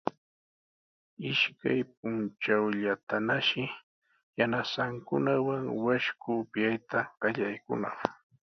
Ishkay puntrawllatanashi yanasankunawan washku upyayta qallaykunaq.